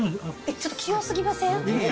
ちょっと器用すぎません？